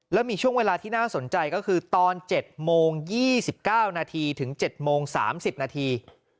แล้วมีช่วงเวลาที่น่าสนใจก็คือตอน๗โมง๒๙นาทีถึง๗โมง๓๐นาที